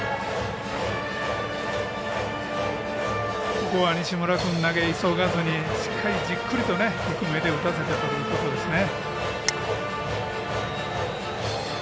ここは西村君投げ急がずにしっかりじっくり低めで打たせてとることですね。